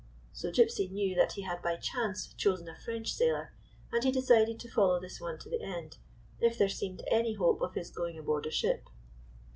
1 9 So Gypsy knew that he had by chance chosen a French sailor, and he decided to follow this one to the end, if there seemed any hope of his going aboard a ship.